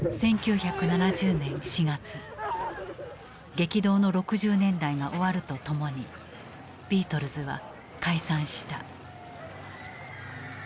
激動の６０年代が終わるとともにビートルズは解散した。